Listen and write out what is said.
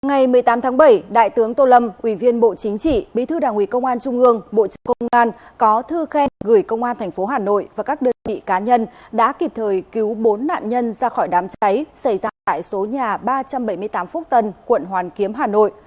ngày một mươi tám tháng bảy đại tướng tô lâm ủy viên bộ chính trị bí thư đảng ủy công an trung ương bộ trưởng công an có thư khen gửi công an tp hà nội và các đơn vị cá nhân đã kịp thời cứu bốn nạn nhân ra khỏi đám cháy xảy ra tại số nhà ba trăm bảy mươi tám phúc tân quận hoàn kiếm hà nội